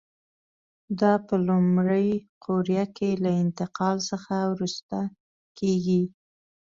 دا په لومړۍ قوریه کې له انتقال څخه وروسته کېږي.